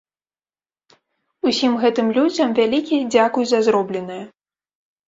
Усім гэтым людзям вялікі дзякуй за зробленае.